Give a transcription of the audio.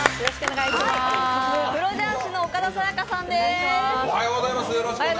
プロ雀士の岡田紗佳さんです。